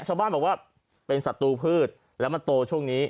ชาวบ้านบอกว่าเป็นศัตรูพืชแล้วมันโตช่วงนี้